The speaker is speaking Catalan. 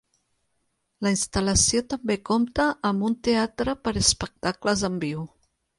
La instal·lació també compta amb un teatre per a espectacles en viu.